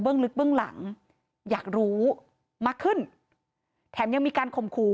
ลึกเบื้องหลังอยากรู้มากขึ้นแถมยังมีการข่มขู่